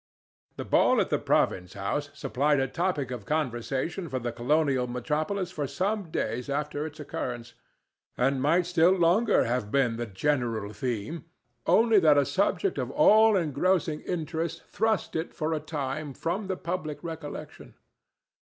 The ball at the province house supplied a topic of conversation for the colonial metropolis for some days after its occurrence, and might still longer have been the general theme, only that a subject of all engrossing interest thrust it for a time from the public recollection.